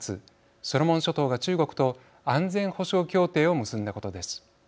ソロモン諸島が中国と安全保障協定を結んだことです。